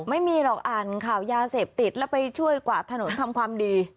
ไม่มีหรอกอ่านข่าวยาเสพติดแล้วไปช่วยกวาดถนนทำความดี